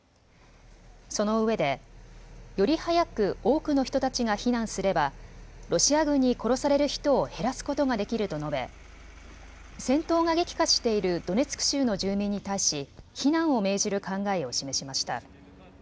そのうえでより早く多くの人たちが避難すればロシア軍に殺される人を減らすことができると述べ戦闘が激化しているドネツク州の住民に対し避難を命じる考えを示しました。